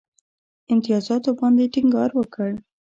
امتیازاتو باندي ټینګار وکړ.